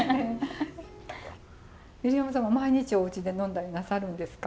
入山さんは毎日お家で呑んだりなさるんですか？